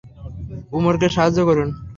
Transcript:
উমরকে সাহায্য করুন।